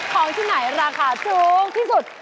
ของที่ไหนราคาถูกที่สุด